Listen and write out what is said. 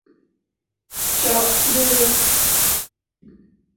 Tja, du vet.